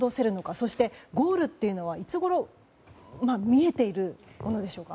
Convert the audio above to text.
そしてゴールというのはいつごろに見えていくのでしょうか。